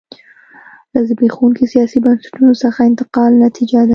له زبېښونکو سیاسي بنسټونو څخه انتقال نتیجه ده.